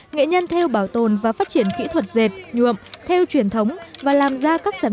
nghệ nhân theo bảo tồn và phát triển kỹ thuật dệt nhuộm theo truyền thống và làm ra các sản